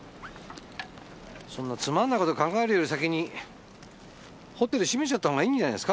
そんなつまんない事考えるより先にホテル閉めちゃった方がいいんじゃないですか？